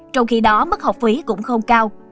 trong khi đó mức học phí cũng không cao